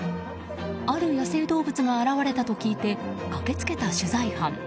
ある野生動物が現れたと聞いて駆けつけた取材班。